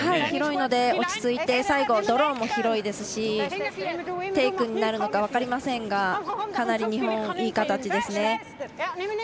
広いので落ち着いて最後ドローも広いですしテイクになるのか分かりませんが、かなり日本いい形ですね。